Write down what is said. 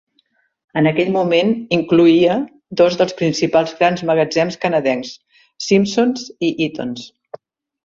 En aquell moment incloïa dos dels principals grans magatzems canadencs, Simpson's i Eaton's.